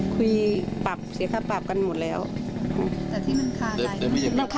ปรับเสียค่าปรับกันหมดแล้วแต่ที่มันขาด